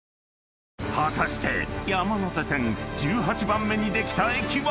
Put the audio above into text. ［果たして山手線１８番目にできた駅は？］